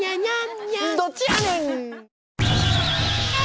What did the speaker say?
どっちやねん！